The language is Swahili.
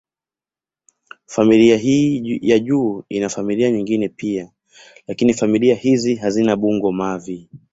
Familia hii ya juu ina familia nyingine pia, lakini familia hizi hazina bungo-mavi.